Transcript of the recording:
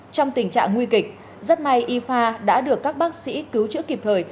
trong tình trạng nguy kịch rất may y pha đã được các bác sĩ cứu chữa kịp thời